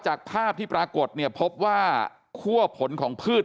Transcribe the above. จากภาพที่ปรากฏเนี่ยพบว่าคั่วผลของพืช